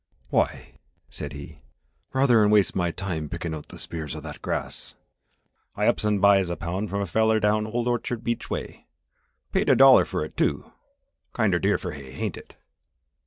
"Why," said he, "ruther 'en waste my time pickin' out th' spears of that grass I ups an' buys a pound from a feller down Old Orchard beach way. Paid a dollar fer it, too. Kinder dear fer hay, hain't it?"